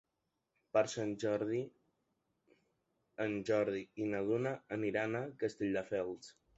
Per Sant Jordi en Jordi i na Duna aniran a Castelldefels.